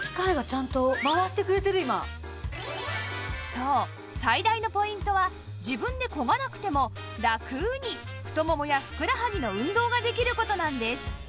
そう最大のポイントは自分で漕がなくてもラクに太ももやふくらはぎの運動ができる事なんです